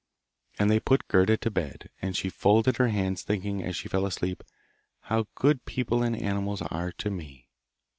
And they put Gerda to bed, and she folded her hands, thinking, as she fell asleep, 'How good people and animals are to me!